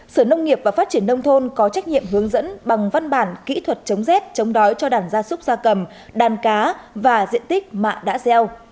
sở nông nghiệp và phát triển nông thôn có trách nhiệm hướng dẫn bằng văn bản kỹ thuật chống rét chống đói cho đàn gia súc gia cầm đàn cá và diện tích mạ đã gieo